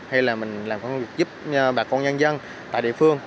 hay là mình làm công việc giúp bà con nhân dân tại địa phương